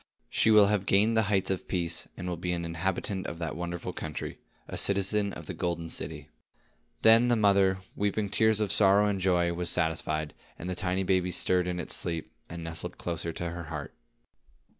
She will have gained the heights of Peace, and will be an inhabitant of that wonderful country, a citizen of the golden city." Then the mother, weeping tears of sorrow and of joy, was satisfied, and the tiny baby stirred in its sleep, and nestled closer to her heart.